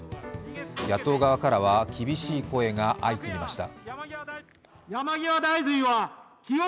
野党側からは厳しい声が相次ぎました。